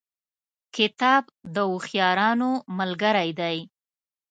کتاب د هوښیارانو ملګری دی.